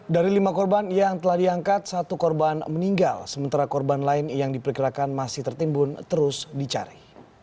dari lima korban yang telah diangkat satu korban meninggal sementara korban lain yang diperkirakan masih tertimbun terus dicari